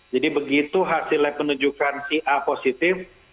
jadi begitu hasilnya penunjukan si a positif